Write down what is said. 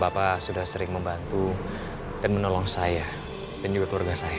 bapak sudah sering membantu dan menolong saya dan juga keluarga saya